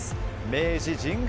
明治神宮